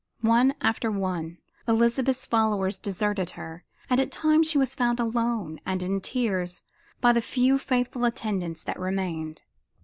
One after one Elizabeth's followers deserted her and at times she was found alone and in tears by the few faithful attendants that remained.